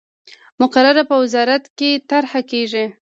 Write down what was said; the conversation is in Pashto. مقرره په وزارت کې طرح کیږي.